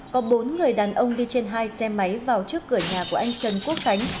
có bốn người đàn ông đi trên hai xe máy vào trước cửa nhà của anh trần quốc khánh